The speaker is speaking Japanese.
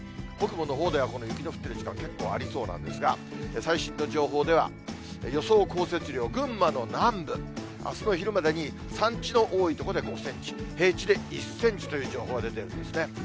北部のほうではこの雪の降ってる時間、結構ありそうなんですが、最新の情報では予想降雪量、群馬の南部、あすの昼までに、山地の多い所で５センチ、平地で１センチという情報が出てるんですね。